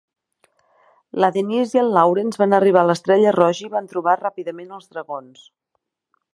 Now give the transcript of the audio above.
La Denise i el Lawrence van arribar a l'estrella roja i van trobar ràpidament els dragons.